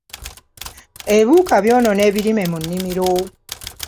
Ebiwuka byonoona ebirime mu nnimiro.